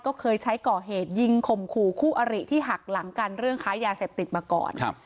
ก็เคยใช้ก่อเหตุยิงข่มขู่คู่อริที่หักหลังกันเรื่องค้ายาเสพติดมาก่อนครับ